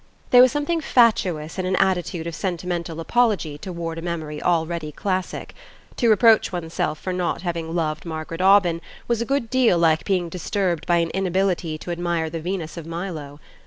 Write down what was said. There was something fatuous in an attitude of sentimental apology toward a memory already classic: to reproach one's self for not having loved Margaret Aubyn was a good deal like being disturbed by an inability to admire the Venus of Milo.